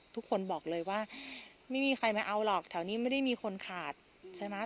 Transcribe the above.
ทุกคนบอกเลยว่าไม่มีใครมาเอาหรอกแถวนี้ไม่ได้มีคนขาดใช่ไหม